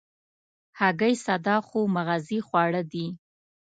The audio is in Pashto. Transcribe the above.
هګۍ ساده خو مغذي خواړه دي.